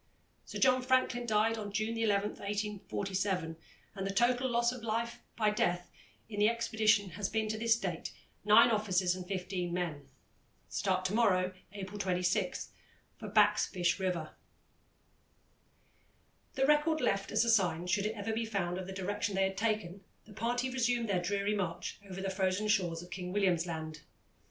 Sir John Franklin died on June 11, 1847, and the total loss of life by death in the expedition has been to this date nine officers and fifteen men. Start to morrow, April 26, for Back's Fish River." The record, left as a sign, should it ever be found, of the direction they had taken, the party resumed their dreary march over the frozen shores of King William's Land.